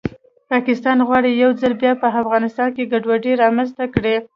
پاکستان غواړي یو ځل بیا په افغانستان کې ګډوډي رامنځته کړي